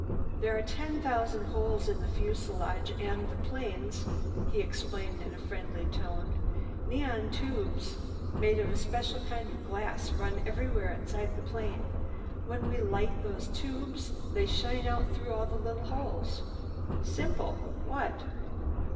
"There are ten thousand holes in the fusilage and the planes," he explained in a friendly tone. "Neon tubes made of a special kind of glass run everywhere inside the plane. When we light these tubes they shine out through all the little holes. Simple, what?"